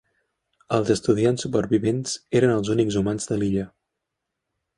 Els estudiants supervivents eren els únics humans de l'illa.